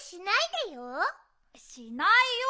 しないよ。